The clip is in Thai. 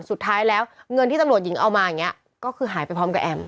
สุดท้ายแล้วเงินที่ตำรวจหญิงเอามาอย่างนี้ก็คือหายไปพร้อมกับแอม